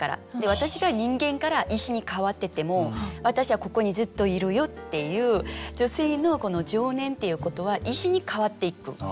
私が人間から石に変わってても私はここにずっといるよっていう女性のこの情念っていうことは石に変わっていく。